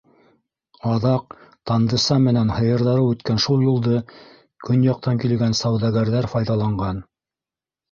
Аҙаҡ Тандыса менән һыйырҙары үткән шул юлды көньяҡтан килгән сауҙагәрҙәр файҙаланған.